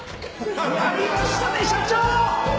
やりましたね社長！